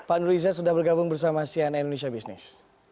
pak nur riza sudah bergabung bersama sian indonesia business